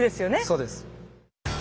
そうです。